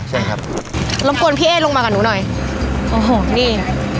ใช่ครับรบกวนพี่เอ๊ลงมากับหนูหน่อยโอ้โหนี่